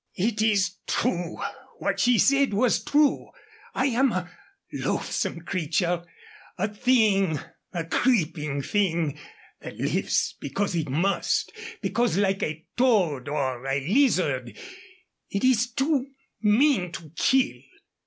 "It is true what she said was true. I am a loathsome creature a thing, a creeping thing, that lives because it must, because, like a toad or a lizard, it is too mean to kill."